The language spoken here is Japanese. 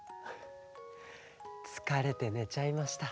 つかれてねちゃいました。